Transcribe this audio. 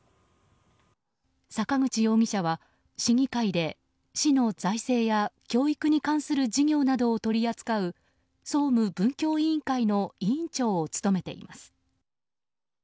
坂口容疑者は、市議会で市の財政や教育に関する事業などを取り扱う、総務文教委員会の委員長を務めています。